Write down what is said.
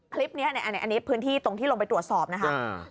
คลิปนี้อันนี้พื้นที่ตรงที่ลงไปตรวจสอบนะครับ